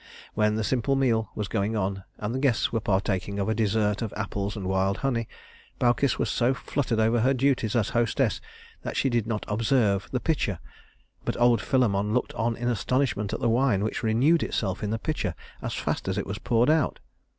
While the simple meal was going on, and the guests were partaking of a dessert of apples and wild honey, Baucis was so fluttered over her duties as hostess that she did not observe the pitcher; but old Philemon looked on in astonishment at the wine which renewed itself in the pitcher as fast as it was poured out.